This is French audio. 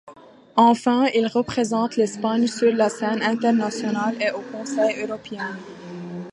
Enfin, il représente l'Espagne sur la scène internationale et au Conseil européen.